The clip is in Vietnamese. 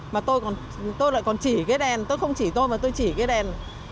mà tôi lại còn chỉ cái đèn tôi không chỉ tôi mà tôi chỉ cái đèn